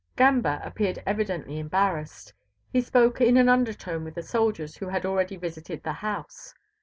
Gamba appeared evidently embarrassed. He spoke in an undertone with the soldiers who had already visited the house.